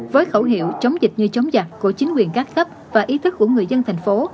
với khẩu hiệu chống dịch như chống giặc của chính quyền các cấp và ý thức của người dân thành phố